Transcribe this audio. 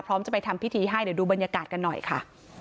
จะไปทำพิธีให้เดี๋ยวดูบรรยากาศกันหน่อยค่ะ